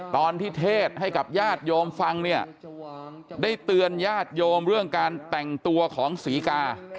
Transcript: เทศให้กับญาติโยมฟังเนี่ยได้เตือนญาติโยมเรื่องการแต่งตัวของศรีกา